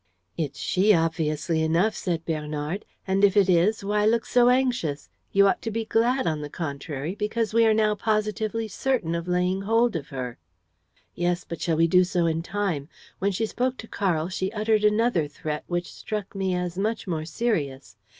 "It's she, obviously enough," said Bernard. "And, if it is, why look so anxious? You ought to be glad, on the contrary, because we are now positively certain of laying hold of her." "Yes, but shall we do so in time? When she spoke to Karl, she uttered another threat which struck me as much more serious.